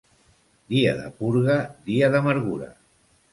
Dia de purga, dia d'amargura.